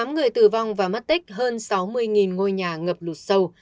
một mươi tám người tử vong và mất tích hơn sáu mươi ngôi nhà ngập lụt sâu